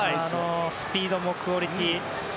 スピードもクオリティーも。